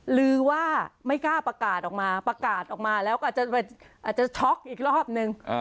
หรือว่าไม่กล้าประกาศออกมาประกาศออกมาแล้วก็อาจจะช็อกอีกรอบนึง